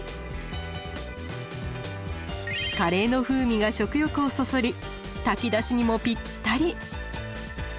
カレーの風味が食欲をそそり炊き出しにもぴったり。